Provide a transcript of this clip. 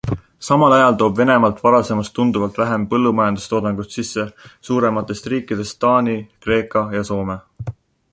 Samal ajal toob Venemaalt varasemast tunduvalt vähem põllumajandustoodangut sisse suurematest riikidest Taani, Kreeka ja Soome.